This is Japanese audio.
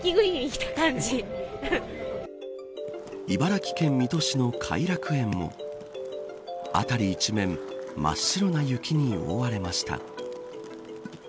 茨城県水戸市の偕楽園も辺り一面真っ白な雪に覆われました。